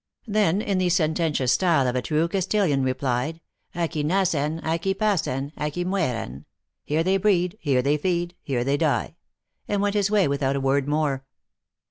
Then, in the sententious style of a true Castilian, replied, aqui nacen, aqui pacen^ aqui muerenj (here they breed, here they feed, here they die,) and went his way without a word more."